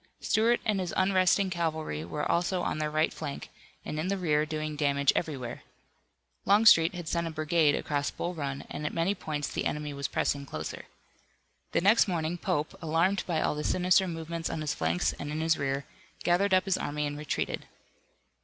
Stuart and his unresting cavalry were also on their right flank and in the rear, doing damage everywhere. Longstreet had sent a brigade across Bull Run, and at many points the enemy was pressing closer. The next morning, Pope, alarmed by all the sinister movements on his flanks and in his rear, gathered up his army and retreated.